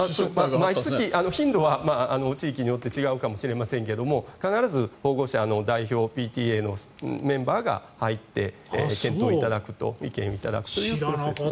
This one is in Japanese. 頻度は地域によって違うかもしれませんが必ず保護者の代表ＰＴＡのメンバーが入って検討いただくというプロセスは。